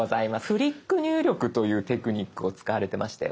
「フリック入力」というテクニックを使われてましたよね。